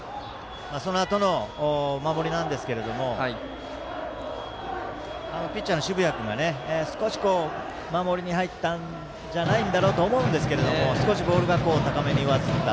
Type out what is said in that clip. そのあとの守りなんですけどもピッチャーの澁谷君が守りに入ったのではないと思いますけど少しボールが高めに上ずった。